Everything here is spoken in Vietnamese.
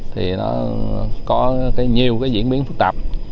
thì nó có nhiều cái diễn biến phức tạp